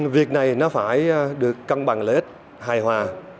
việc này nó phải được cân bằng lợi ích hài hòa